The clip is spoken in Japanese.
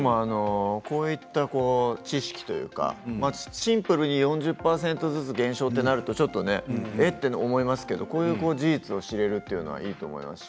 こういった知識というかシンプルに４０％ずつ減少となると、ちょっとえっと思いますけれどこういう事実を知れるというのはいいと思います。